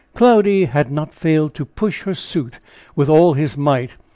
Cloudy had not failed to push his suit with all his might.